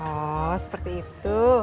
oh seperti itu